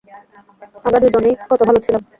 আমরা দুজনেই কত ভালো ছিলাম।